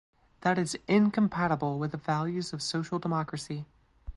That is incompatible with the values of social democracy.